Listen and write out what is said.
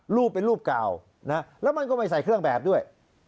รูปเป็นรูปเก่านะแล้วมันก็ไม่ใส่เครื่องแบบด้วย